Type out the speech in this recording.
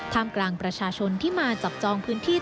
กลางประชาชนที่มาจับจองพื้นที่